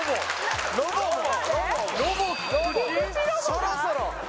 そろそろ！